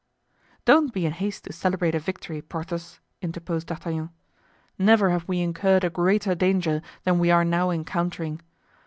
"Don't be in haste to celebrate a victory, Porthos," interposed D'Artagnan; "never have we incurred a greater danger than we are now encountering.